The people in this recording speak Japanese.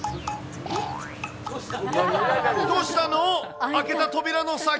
どうしたの？